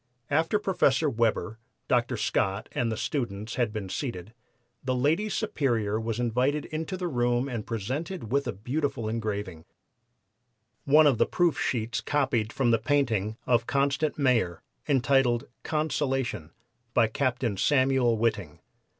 After Professor Weber, Dr. Scott and the students had been seated the Lady Superior was invited into the room and presented with a beautiful engraving, one of the proof sheets copied from the painting of Constant Mayor, entitled 'Consolation,' by Captain Samuel Whiting.